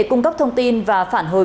cung cấp thông tin và phản hồi